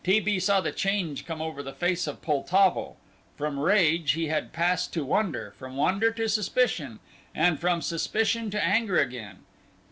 T. B. saw the change come over the face of Poltavo. From rage he had passed to wonder, from wonder to suspicion, and from suspicion to anger again.